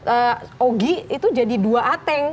ogi itu jadi dua ateng